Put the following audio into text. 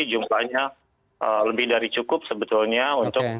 jumlahnya lebih dari cukup sebetulnya untuk